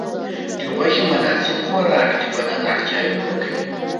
د غوښې مناسب خوراک د بدن اړتیاوې پوره کوي.